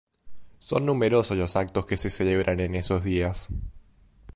Son numerosos los actos que se celebran en esos días.